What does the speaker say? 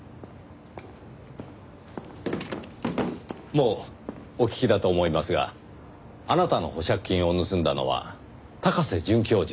もうお聞きだと思いますがあなたの保釈金を盗んだのは高瀬准教授でした。